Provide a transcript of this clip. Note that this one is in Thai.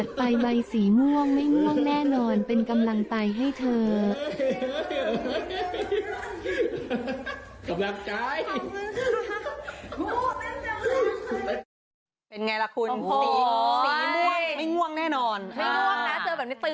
เตมงดูดอย่างเศรษฐ์